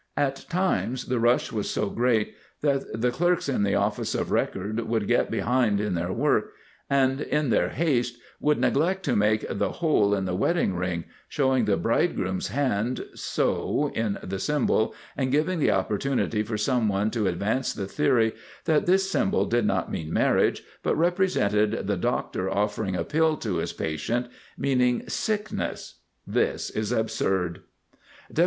At times the rush was so great that the clerks in the Office of Record would get behind in their work, and in their haste would neglect to make the hole in the wedding ring, showing the Bridegroom's hand so in the symbol and giving the opportunity for some one to advance the theory that this symbol did not mean marriage, but represented the doctor offering a pill to his patient, meaning sickness. This is absurd!